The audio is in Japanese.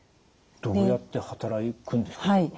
どうやって働くんですか？